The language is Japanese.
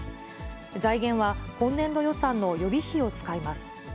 財源は今年度予算の予備費を使います。